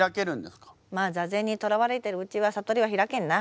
まあ座禅にとらわれてるうちは悟りは開けんな。